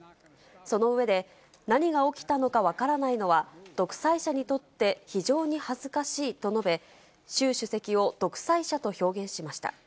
その上で、何が起きたのか分からないのは、独裁者にとって非常に恥ずかしいと述べ、習主席を独裁者と表現しました。